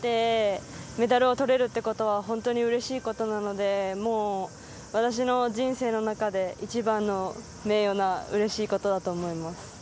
本当に日の丸を背負ってメダルを取れるっていうことは、うれしいことなので、私の人生の中で一番の名誉なうれしいことだと思います。